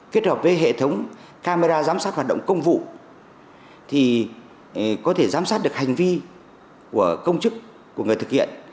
kết hợp với hệ thống camera giám sát hoạt động công vụ thì có thể giám sát được hành vi của công chức của người thực hiện